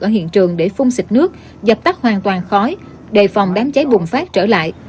ở hiện trường để phun xịt nước dập tắt hoàn toàn khói đề phòng đám cháy bùng phát trở lại